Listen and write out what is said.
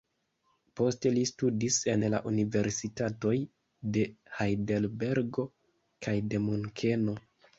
Poste li studis en la Universitatoj de Hajdelbergo kaj de Munkeno.